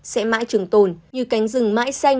sẽ mãi trưởng tồn như cánh rừng mãi xanh